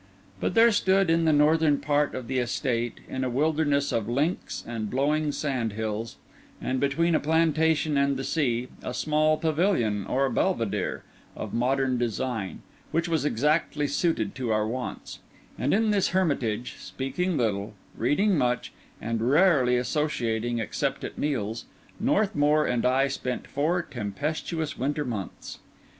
But there stood in the northern part of the estate, in a wilderness of links and blowing sand hills, and between a plantation and the sea, a small Pavilion or Belvidere, of modern design, which was exactly suited to our wants; and in this hermitage, speaking little, reading much, and rarely associating except at meals, Northmour and I spent four tempestuous winter months.